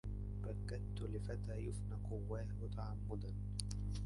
بكت لفتى يفني قواه تعمدا